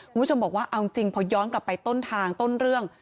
คุณผู้ชมบอกว่าเอาจริงพอย้อนกลับไปต้นทางต้นเรื่อง